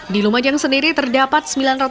di lumajang sendiri terdapat